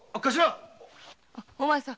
お前さん。